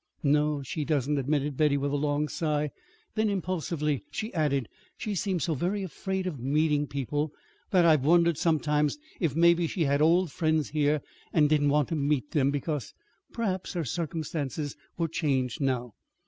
"No, she doesn't," admitted Betty, with a long sigh. Then, impulsively, she added: "She seems so very afraid of meeting people that I've wondered sometimes if maybe she had old friends here and and didn't want to meet them because perhaps, her circumstances were changed now.